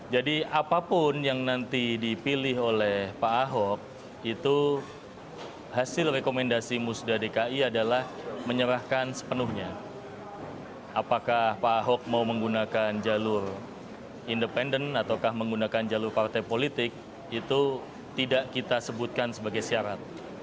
jadi apapun yang nanti dipilih oleh pak ahok itu hasil rekomendasi musda dki adalah menyerahkan sepenuhnya apakah pak ahok mau menggunakan jalur independen ataukah menggunakan jalur partai politik itu tidak kita sebutkan sebagai syarat